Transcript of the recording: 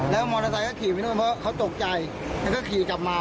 แล้วก็มอเตอร์ไทยก็ขี่ไปกินเพราะเขาตกใจ